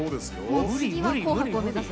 もう次は「紅白」を目指す。